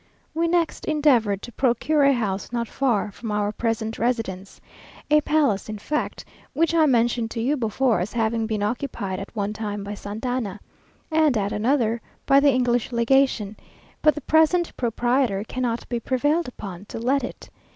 We next endeavoured to procure a house not far from our present residence, a palace in fact, which I mentioned to you before as having been occupied at one time by Santa Anna, and at another by the English Legation, but the present proprietor cannot be prevailed upon to let it.